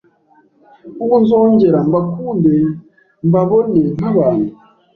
ubu nzongera mbakunde mbabone nk’abantu?